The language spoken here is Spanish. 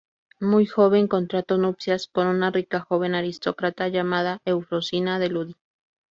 Muy joven contrajo nupcias con una rica joven aristócrata llamada Eufrosina de Lodi.